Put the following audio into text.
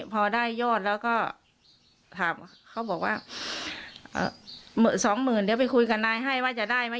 พอได้ยอดแล้วก็ถามเขาบอกว่าสองหมื่นเดี๋ยวไปคุยกับนายให้ว่าจะได้ไหม